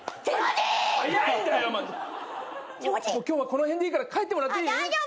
今日はこの辺でいいから帰ってもらっていい？